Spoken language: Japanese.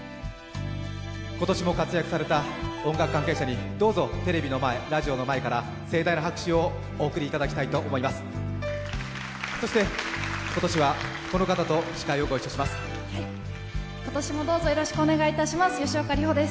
今年も活躍された音楽関係者にどうぞテレビの前、ラジオの前から盛大な拍手をお贈りいただきたいと思います。